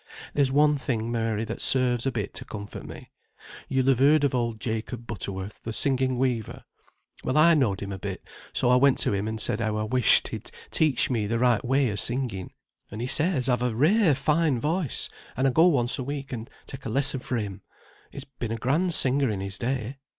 There's one thing, Mary, that serves a bit to comfort me. You'll have heard of old Jacob Butterworth, the singing weaver? Well, I know'd him a bit, so I went to him, and said how I wished he'd teach me the right way o' singing; and he says I've a rare fine voice, and I go once a week, and take a lesson fra' him. He's been a grand singer in his day.